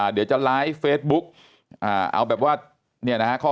เดี๋ยวจะไลฟ์เฟซบุ๊กเอาแบบว่าเนี่ยนะฮะ